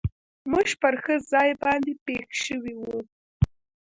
موږ پر ښه ځای باندې پېښ شوي و.